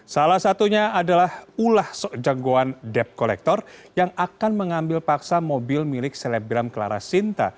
salah satunya adalah ulah soejang goan dep kolektor yang akan mengambil paksa mobil milik selebgram clara sinta